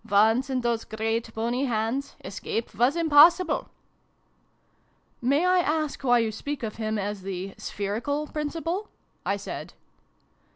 Once in those great bony hands, escape was impossible !"" May I ask why you speak of him as the ' spherical' Principal?" I said.